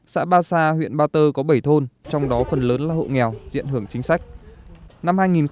xã ba sa huyện ba tơ có bảy thôn trong đó phần lớn là hộ nghèo diện hưởng chính sách